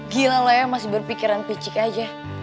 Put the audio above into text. gila lo ya masih berpikiran pincik aja